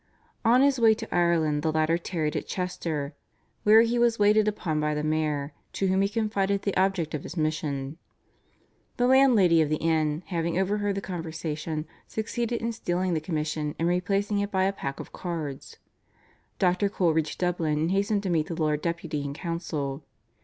On his way to Ireland the latter tarried at Chester, where he was waited upon by the mayor, to whom he confided the object of his mission. The landlady of the inn, having overheard the conversation, succeeded in stealing the commission and replacing it by a pack of cards. Dr. Cole reached Dublin and hastened to meet the Lord Deputy and council.